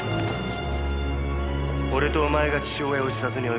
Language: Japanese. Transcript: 俺とお前が父親を自殺に追い込んだんだ。